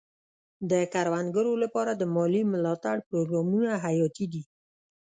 د کروندګرو لپاره د مالي ملاتړ پروګرامونه حیاتي دي.